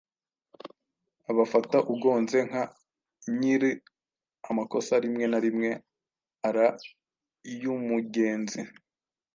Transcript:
bafata ugonze nka nyir’ amakosa rimwe na rimwe arayumugenzi